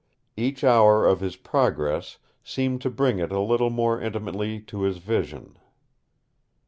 Each hour of his progress seemed to bring it a little more intimately to his vision.